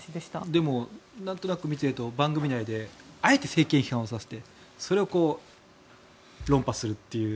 でも、なんとなく見ていると番組内であえて政権批判させてそれを論破するという。